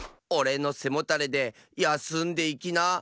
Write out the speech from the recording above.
『おれのせもたれでやすんでいきな』」。